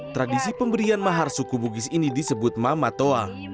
tradisi pemberian mahar suku bugis ini disebut mamatoa